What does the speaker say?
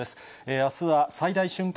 あすは最大瞬間